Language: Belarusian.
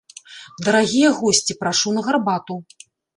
Дарагія госці, прашу на гарбату.